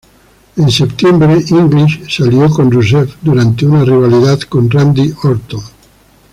En septiembre, English se alió con Rusev durante una rivalidad con Randy Orton.